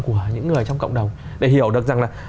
của những người trong cộng đồng để hiểu được rằng là